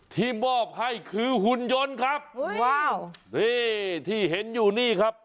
ที่มอบให้คือหุ่นยนต์ครับว้าวนี่ที่เห็นอยู่นี่ครับ